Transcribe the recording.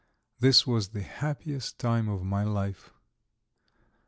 This was the happiest time of my life.